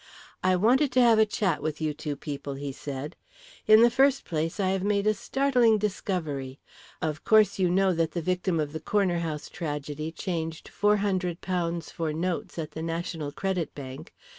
"I wanted to have a chat with you two people," he said. "In the first place I have made a startling discovery. Of course you know that the victim of the Corner House tragedy changed £400 for notes at the National Credit Bank.